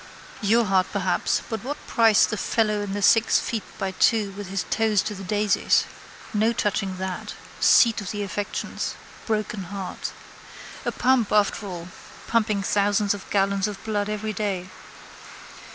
Your heart perhaps but what price the fellow in the six feet by two with his toes to the daisies? No touching that. Seat of the affections. Broken heart. A pump after all, pumping thousands of gallons of blood every day.